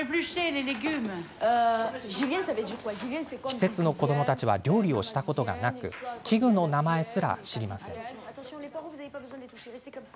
施設の子どもたちは料理をしたことがなく器具の名前すら知りません。